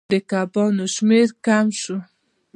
د کبانو شمیر کم شو.